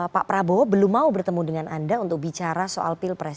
pak prabowo belum mau bertemu dengan anda untuk bicara soal pilpres